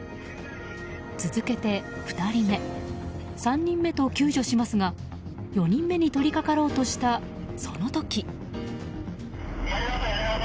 続けて２人目、３人目と救助しますが４人目に取り掛かろうとしたその時。